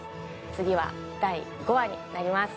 次は第５話になります。